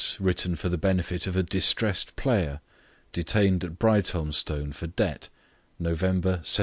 ] Written for the benefit of a distressed Player, detained at Brighthelmstone for Debt, November 1792.